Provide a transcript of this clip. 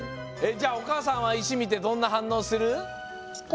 じゃあおかあさんは石みてどんなはんのうする？